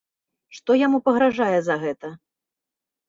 Што яму пагражае за гэта?